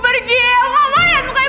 pergi ibu dari rumah